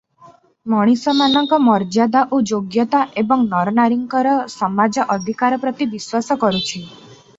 ମଣିଷମାନଙ୍କ ମର୍ଯ୍ୟାଦା ଓ ଯୋଗ୍ୟତା, ଏବଂ ନରନାରୀଙ୍କର ସମାନ ଅଧିକାର ପ୍ରତି ବିଶ୍ୱାସ କରୁଛି ।